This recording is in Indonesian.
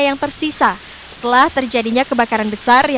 rumah adat cikondang ini menjadi peninggalan satu satunya